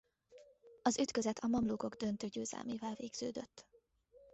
Az ütközet a mamlúkok döntő győzelmével végződött.